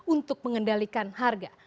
untuk mengendalikan harga